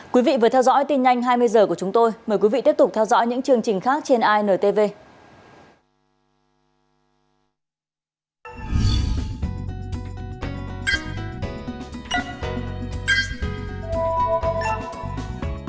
cảm ơn các bạn đã theo dõi và hẹn gặp lại